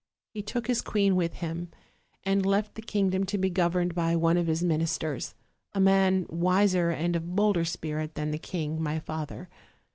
He took his queen with him, and left the kingdom to be governed by one of his ministers: a man wiser and of bolder spirit than the king, my father.